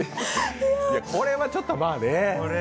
これはちょっとまあね。